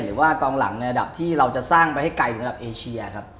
หรือว่ากองหลังในระดับที่เราจะสร้างไปให้ไกลถึงระดับเอเชียครับ